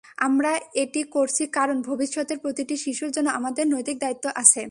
আমরা এটি করছি কারণ, ভবিষ্যতের প্রতিটি শিশুর জন্য আমাদের নৈতিক দায়িত্ব আছে।